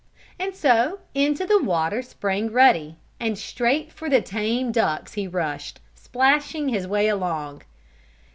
And so into the water sprang Ruddy, and straight for the tame ducks he rushed, splashing his way along.